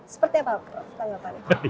seperti apa prof tanggapannya